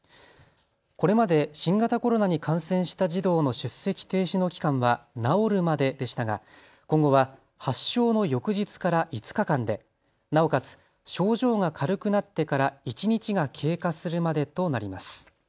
これまで新型コロナに感染した児童の出席停止の期間は治るまででしたが今後は発症の翌日から５日間でなおかつ症状が軽くなってから１日が経過するまでとなります。